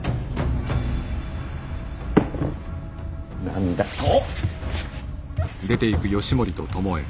何だと。